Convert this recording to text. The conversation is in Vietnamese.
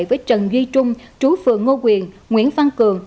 với trần duy trung chú phường ngô quyền nguyễn phan cường